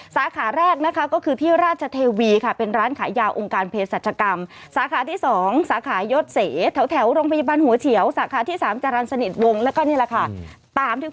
สาขาแรกนะคะก็คือที่ราชเทวีค่ะเป็นร้านขายาองค์การเผยศัชกรรม